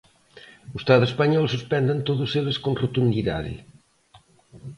O Estado español suspende en todos eles con rotundidade.